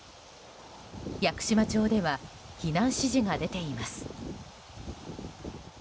屋久島町では避難指示が出ています。